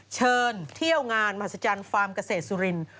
เชิญเที่ยวงานมหัศจรรย์ฟาร์มเกษตรสุรินทร์